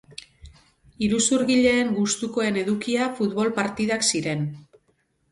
Iruzurgileen gustukoen edukia futbol partidak ziren.